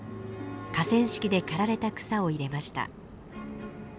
河川敷で刈られた草を入れました。